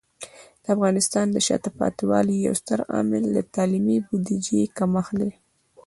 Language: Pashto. د افغانستان د شاته پاتې والي یو ستر عامل د تعلیمي بودیجه کمښت دی.